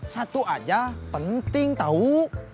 satu aja penting tau